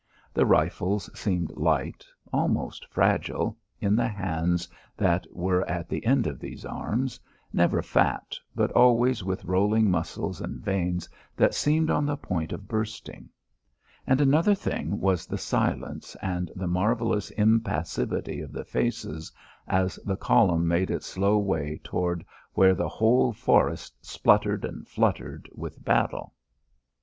The rifles seemed light, almost fragile, in the hands that were at the end of these arms, never fat but always with rolling muscles and veins that seemed on the point of bursting. And another thing was the silence and the marvellous impassivity of the faces as the column made its slow way toward where the whole forest spluttered and fluttered with battle.